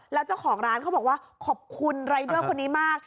แล้วเจ้าของร้านเขาบอกว่าขอบคุณรายเดอร์คนนี้มาก